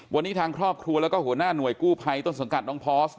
วันนี้ทางครอบครัวแล้วก็หัวหน้าหน่วยกู้ภัยต้นสังกัดน้องพอส